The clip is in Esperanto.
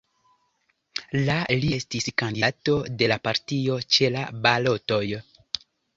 La li estis kandidato de la partio ĉe la balotoj.